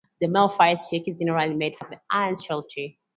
The male fire-stick is generally made from the ancestral tree.